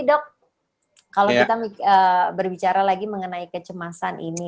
dok kalau kita berbicara lagi mengenai kecemasan ini